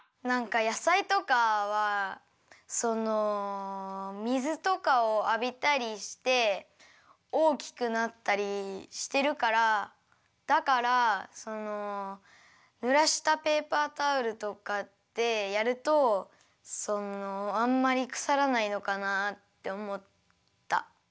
なんかやさいとかはその水とかをあびたりしておおきくなったりしてるからだからそのぬらしたペーパータオルとかでやるとそのあんまりくさらないのかなっておもった。